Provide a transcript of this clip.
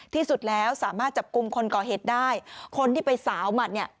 ที่สุดแล้วสามารถจับกลุ่มคนก่อเหตุได้คนที่ไปสาวหมัดเนี่ย